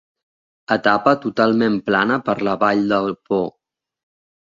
Etapa totalment plana per la vall del Po.